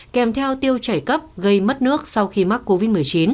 kèm theo tiêu chảy cấp gây mất nước sau khi mắc covid một mươi chín